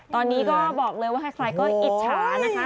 ตอนนี้ก็บอกเลยว่าใครก็อิจฉานะคะ